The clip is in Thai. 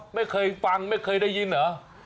ไม่เคยฟังไม่เคยได้ยินเหรอ